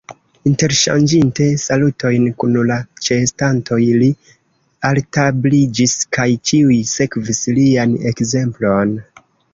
Interŝanĝinte salutojn kun la ĉeestantoj, li altabliĝis, kaj ĉiuj sekvis lian ekzemplon.